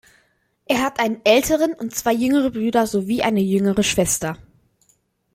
Er hat einen älteren und zwei jüngere Brüder sowie eine jüngere Schwester.